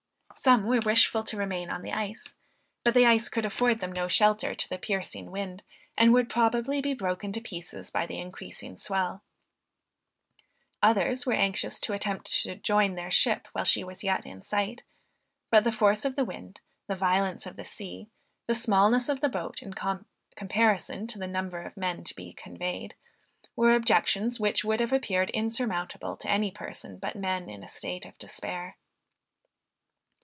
Some were wishful to remain on the ice, but the ice could afford them no shelter to the piercing wind, and would probably be broken to pieces by the increasing swell: others were anxious to attempt to join their ship while she was yet in sight, but the force of the wind, the violence of the sea, the smallness of the boat in comparison to the number of men to be conveyed, were objections which would have appeared insurmountable to any person but men in a state of despair.